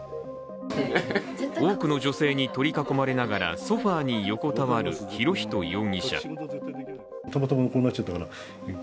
多くの女性に取り囲まれながらソファーに横たわる博仁容疑者。